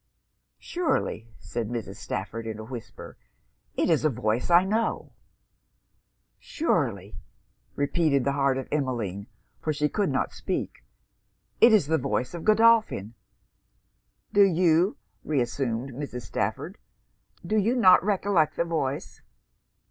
'Surely,' said Mrs. Stafford in a whisper, 'it is a voice I know.' 'Surely,' repeated the heart of Emmeline, for she could not speak, 'it is the voice of Godolphin!' 'Do you,' reassumed Mrs. Stafford 'do you not recollect the voice?'